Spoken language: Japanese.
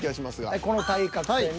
はいこの対角線に。